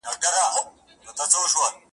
خزان به تېر وي پسرلی به وي ګلان به نه وي.!